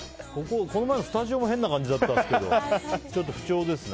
スタジオも変な感じだったんですけどちょっと不調ですね。